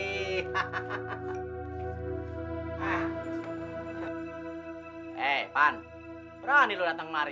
eh pan berani kamu datang ke sini